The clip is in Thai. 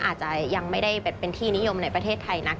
อาจจะยังไม่ได้เป็นที่นิยมในประเทศไทยนัก